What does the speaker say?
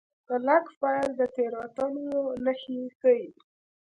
دا لاګ فایل د تېروتنو نښې ښيي.